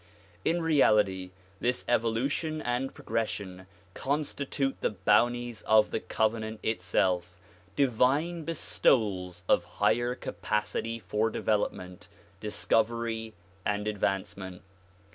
In reality this evolution and progression constitute the bounties of the Covenant itself, divine bestowals of higher capacity for development, discovery and advancement.